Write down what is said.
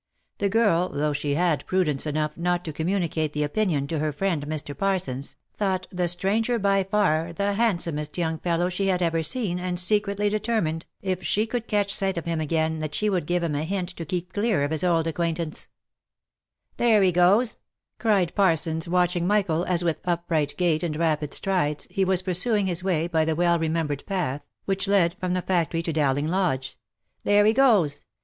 The girl, though she had prudence enough not to communicate the opinion to her friend Mr. Parsons, thought the stranger by far the handsomest young fellow she had ever seen, and secretly determined, if she could catch sight of him again, that she would give him a hint to keep clear of his old acquaint ance. 310 THE LIFE AND ADVENTURES " There he goes," cried Parsons, watching Michael, as with upright gait, and rapid strides, he was pursuing his way by the well remem bered path, which led from the factory to Dowling Lodge. " There he goes